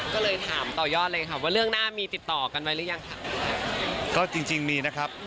ก็เลยถามต่อยอดเลยค่ะว่าเรื่องหน้ามีติดต่อกันไว้หรือยังค่ะก็จริงจริงมีนะครับ